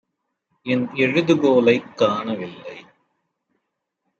என் எழுதுகோலைக் காணவில்லை.